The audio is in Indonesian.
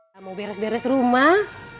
kamu beres beres rumah